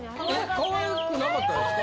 かわいくなかったですか？